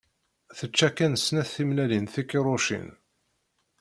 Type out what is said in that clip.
Tečča kan snat tmellalin tikiṛucin.